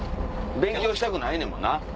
勉強したくないねんもんな？